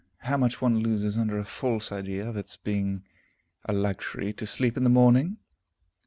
How much one loses under a false idea of its being a luxury to sleep in the morning!